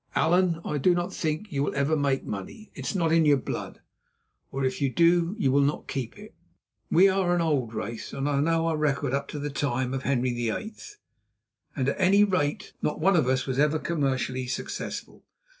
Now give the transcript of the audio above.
"Allan, I do not think you will ever make much money, it is not in your blood; or, if you do, you will not keep it. We are an old race, and I know our record, up to the time of Henry VIII. at any rate. Not one of us was ever commercially successful.